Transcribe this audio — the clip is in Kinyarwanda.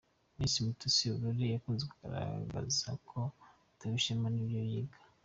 Miss Mutesi Aurore yakunze kugaragaza ko atewe ishema n’ibyo yiga.